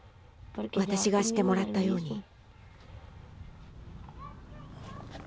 私がしてもらったように。